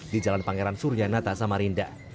di jalan pangeran surya nata samarinda